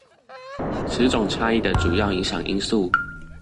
此種差異的主要影響因素